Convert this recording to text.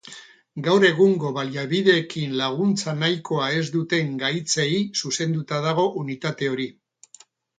Gaur egungo baliabideekin, laguntza nahikoa ez duten gaitzei zuzenduta dago unitate hori.